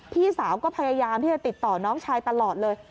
พี่สาวก็พยายามที่จะติดต่อน้องชายตลอดเลย